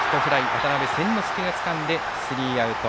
渡邉千之亮がつかんでスリーアウト。